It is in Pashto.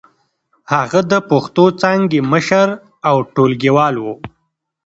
هغه د پښتو څانګې مشر او ټولګيوال و.